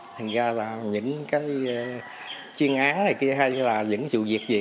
thành ra là những cái chuyên án này hay là những sự việc gì